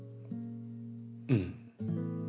うん。